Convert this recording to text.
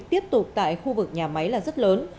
tiếp tục tại khu vực nhà máy là rất lớn